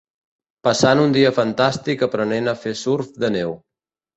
Passant un dia fantàstic aprenent a fer surf de neu.